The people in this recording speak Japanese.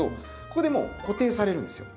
ここでもう固定されるんですよ。